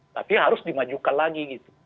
tapi harus dimajukan lagi gitu